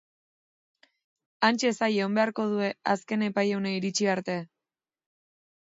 Hantxe zain egon beharko dute Azken Epai Eguna iritsi arte.